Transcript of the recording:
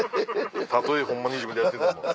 たとえホンマに自分でやってても。